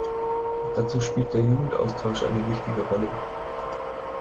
Dazu spielt der Jugendaustausch eine wichtige Rolle.